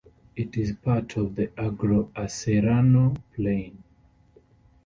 It is part of the Agro Acerrano plain.